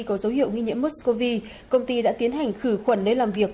có dấu hiệu nghi nhiễm mers cov công ty đã tiến hành khử khuẩn lấy làm việc